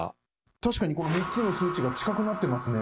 確かにこの３つの数値が近くなってますね。